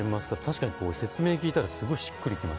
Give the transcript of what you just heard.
確かに説明聞いたらすごいしっくりきますね。